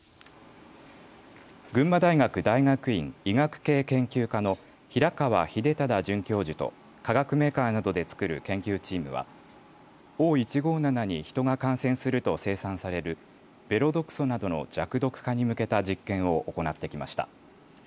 群馬大学大学院医学系研究科の平川秀忠准教授と化学メーカーなどでつくる研究チームはＯ１５７に人が感染すると生産されるベロ毒素などの弱毒化に向けた実験を行ってきました。